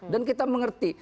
dan kita mengerti